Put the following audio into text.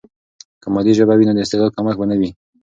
که مادي ژبه وي، نو د استعداد کمښت به نه وي.